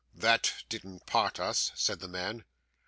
'That didn't part us,' said the man.